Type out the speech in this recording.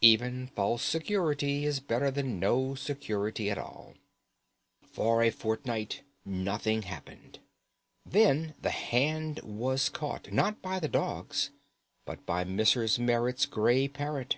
Even false security is better than no security at all. For a fortnight nothing happened. Then the hand was caught, not by the dogs, but by Mrs. Merrit's gray parrot.